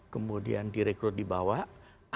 kemudian direkrut dibawah